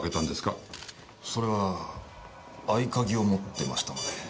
それは合鍵を持ってましたので。